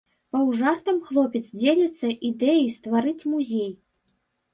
Паўжартам хлопец дзеліцца ідэяй стварыць музей.